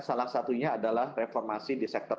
salah satunya adalah reformasi di sektor